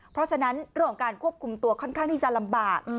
เพราะฉะนั้นเรื่องของการควบคุมตัวค่อนข้างที่จะลำบาก